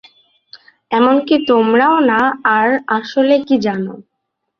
এমনকি তোমারও না আর আসলে কী জানো?